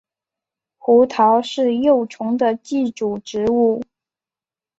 胡桃是幼虫的寄主植物。